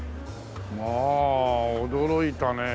まあ驚いたねえ。